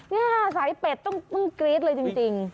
นี่สายเป็ดต้องกรี๊ดเลยจริง